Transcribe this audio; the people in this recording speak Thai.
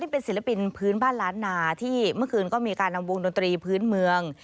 เป็นศิลปินพื้นบ้านล้านนาที่เมื่อคืนก็มีการนำวงดนตรีพื้นเมือง